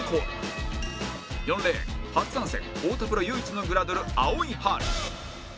４レーン初参戦太田プロ唯一のグラドル青井春